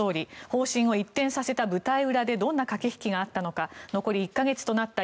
方針を一転させた舞台裏でどんな駆け引きがあったのか残り１か月となった